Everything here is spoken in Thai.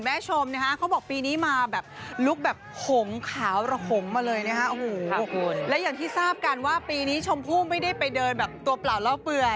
และอย่างที่ทราบกันว่าปีนี้ชมพู่ไม่ได้ไปเดินแบบตัวเปล่าแล้วเปลือย